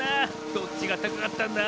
どっちがたかかったんだ？